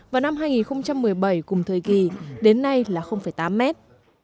vào năm hai nghìn một mươi bảy cùng thời kỳ đến nay là tám mét